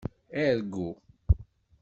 Argu.